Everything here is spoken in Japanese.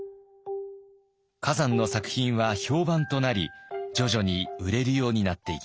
崋山の作品は評判となり徐々に売れるようになっていきます。